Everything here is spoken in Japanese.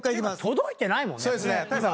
届いてないもんね。